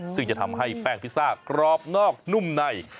ซึ่งจะทำให้แป้งพิซซ่ากรอบนอกนุ่มใน